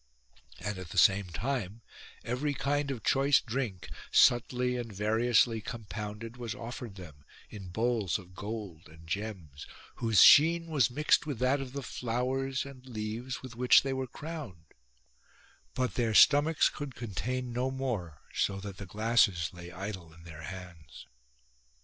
And at the same time every kind of choice drink, subtly and variously com pounded, was offered them in bowls of gold and gems, whose sheen was mixed with that of the flowers and leaves with which they were crowned : but their stomachs could contain no more so that the glasses lay idle in their hands.